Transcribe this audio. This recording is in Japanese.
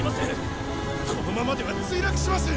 このままでは墜落します！